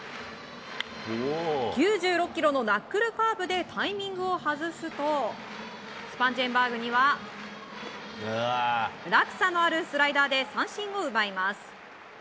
９６キロのナックルカーブでタイミングを外すとスパンジェンバーグには落差のあるスライダーで三振を奪います。